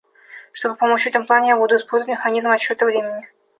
Чтобы помочь в этом плане, я буду использовать механизм отсчета времени.